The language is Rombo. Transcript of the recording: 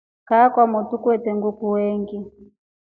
Kaa kwamotru kwetre nguku veengi.